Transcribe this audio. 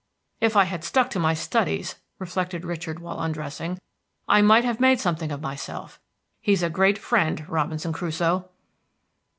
"If I had stuck to my studies," reflected Richard while undressing, "I might have made something of myself. He's a great friend, Robinson Crusoe."